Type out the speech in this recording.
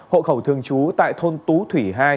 hộ khẩu thường trú tại thôn tú thủy hai